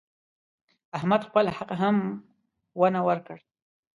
احمد خپل حق هم ونه ورکړ.